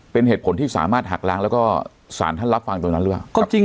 เป็นเหตุผลที่สามารถหักล้างแล้วก็สารท่านรับฟังตรงนั้นหรือเปล่า